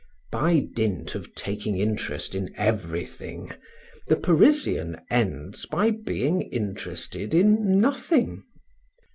By dint of taking interest in everything, the Parisian ends by being interested in nothing.